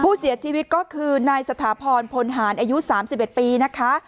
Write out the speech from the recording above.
ผู้เสียชีวิตก็คือนายสถาพรพลหารอายุ๓๑ปีนะคะ